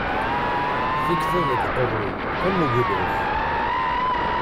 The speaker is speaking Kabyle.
Tikta deg uqerruy am uglaf.